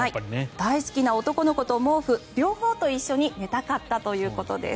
大好きな男の子と毛布両方と一緒に寝たかったということです。